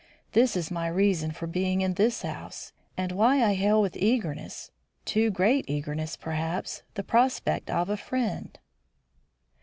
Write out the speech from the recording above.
This is my reason for being in this house; and why I hail with eagerness, too great eagerness, perhaps, the prospect of a friend."